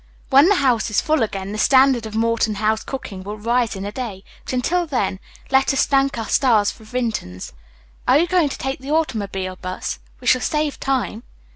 When the house is full again, the standard of Morton House cooking will rise in a day, but until then let us thank our stars for Vinton's. Are you going to take the automobile bus? We shall save time."